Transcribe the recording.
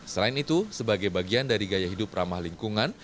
selain itu sebagai bagian dari gaya hidup ramah lingkungan